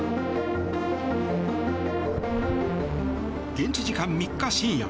現地時間３日深夜